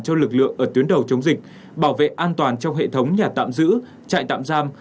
cho lực lượng ở tuyến đầu chống dịch bảo vệ an toàn trong hệ thống nhà tạm giữ trại tạm giam